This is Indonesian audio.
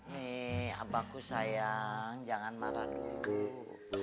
nih abangku sayang jangan marah dulu